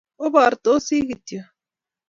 Obortosi kityo